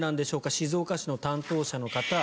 静岡市の担当者の方。